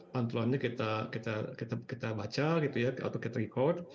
pantulannya kita baca gitu ya atau kita record